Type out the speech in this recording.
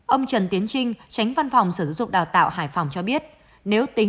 ông trần tiến trinh tránh văn phòng sở dục đào tạo hải phòng cho biết